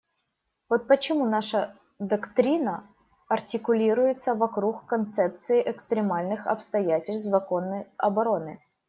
Вот почему наша доктрина артикулируется вокруг концепции экстремальных обстоятельств законной обороны.